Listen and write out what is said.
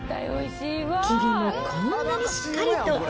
黄身もこんなにしっかりと。